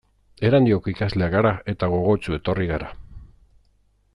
Erandioko ikasleak gara eta gogotsu etorri gara.